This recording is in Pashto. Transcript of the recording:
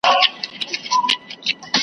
که په برخه یې د ښکار غوښي نعمت وو .